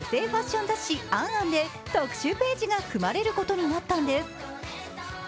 その特典として今回女性ファッション雑誌「ａｎ・ａｎ」で特集ページが組まれることになったんです。